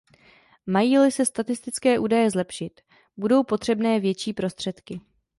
Mají-li se statistické údaje zlepšit, budou potřebné větší prostředky.